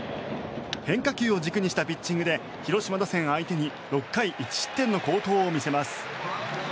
変化球を軸にしたピッチングで広島打線相手に６回１失点の好投を見せます。